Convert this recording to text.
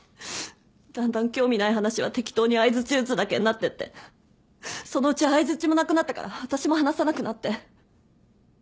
だんだん興味ない話は適当に相づち打つだけになってってそのうち相づちもなくなったから私も話さなくなって。